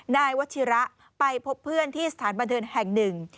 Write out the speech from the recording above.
นายวัชิระไปพบเพื่อนที่สถานบันเทิงแห่งหนึ่ง